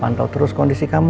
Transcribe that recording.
mantau terus kondisi kamu